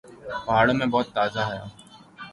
پہاڑوں میں ہوا بہت تازہ ہے۔